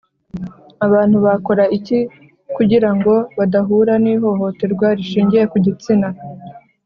abantu bakora iki kugira ngo badahura n’ihohoterwa rishingiye ku igitsina?